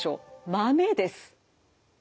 豆です。